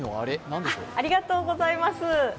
ありがとうございます。